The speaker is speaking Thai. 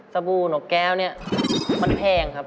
บู่นกแก้วเนี่ยมันแพงครับ